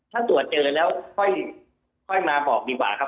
ถ้าตรวจเจอแล้วค่อยมาบอกดีกว่าครับ